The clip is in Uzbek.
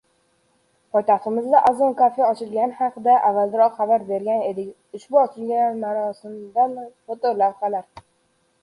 Poytaxtimizda "Azon cafe" ochilganligi haqida avvalroq xabar bergan edik. Ushbu ochilish marosimidan foto lavhalar.